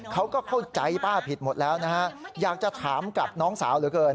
เขาก็เข้าใจป้าผิดหมดแล้วนะฮะอยากจะถามกับน้องสาวเหลือเกิน